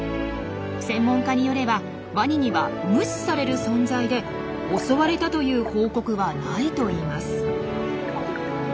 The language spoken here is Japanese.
専門家によればワニには無視される存在で襲われたという報告はないといいます。